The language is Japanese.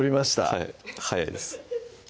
はい早いです